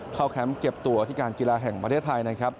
เข้าแคมป์เก็บตัวที่การกีฬาแห่งประเทศไทย